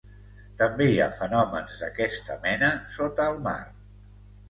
També hi ha fenòmens d'aquesta mena sota el mar.